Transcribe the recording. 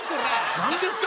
何ですか？